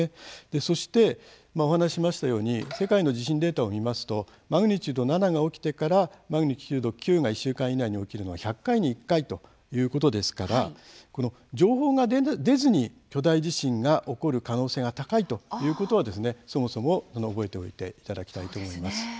そしてお話ししましたように世界の地震データを見ますとマグニチュード７が起きてからマグニチュード９が１週間以内に起きるのは１００回に１回ということですから情報が出ずに巨大地震が起こる可能性が高いということは、そもそも覚えておいていただきたいと思います。